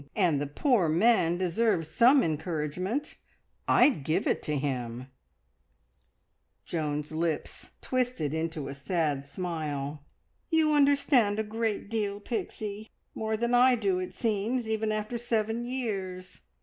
And the poor man deserves some encouragement. I'd give it to him!" Joan's lips twisted into a sad smile. "You understand a great deal, Pixie more than I do, it seems, even after seven years!